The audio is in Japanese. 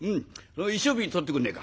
一升瓶取ってくんねえか。